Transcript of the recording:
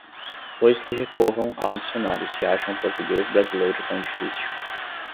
Pois que recorram ao dicionário se acham o português brasileiro tão difícil